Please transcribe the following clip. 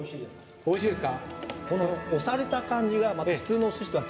おいしいですか？